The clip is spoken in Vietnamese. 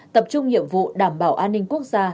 tập trung nhiệm vụ đảm bảo an ninh quốc gia